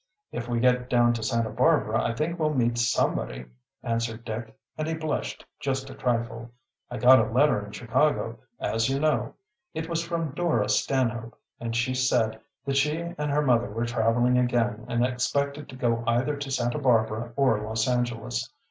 "If we get down to Santa Barbara I think we'll meet somebody," answered Dick, and he blushed just a trifle. "I got a letter in Chicago, as you know. It was from Dora Stanhope, and she said that she and her mother were traveling again and expected to go either to Santa Barbara or Los Angeles.